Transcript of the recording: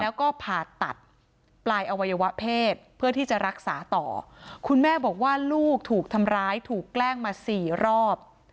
แล้วก็ผ่าตัดปลายอวัยวะเพศเพื่อที่จะรักษาต่อคุณแม่บอกว่าลูกถูกทำร้ายถูกแกล้งมาสี่รอบ